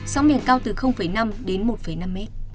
sóng biển cao từ năm đến một năm m